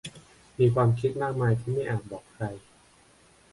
มีความคิดมากมายที่ไม่อาจบอกใคร